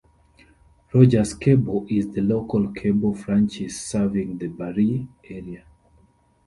Rogers Cable is the local cable franchise serving the Barrie area.